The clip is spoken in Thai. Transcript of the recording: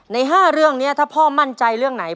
ใน๕เรื่องนี้ถ้าพ่อมั่นใจเรื่องไหน